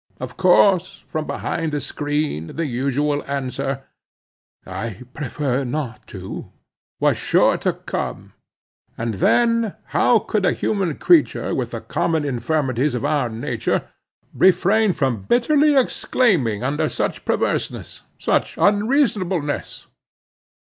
Of course, from behind the screen the usual answer, "I prefer not to," was sure to come; and then, how could a human creature with the common infirmities of our nature, refrain from bitterly exclaiming upon such perverseness—such unreasonableness.